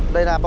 cái này à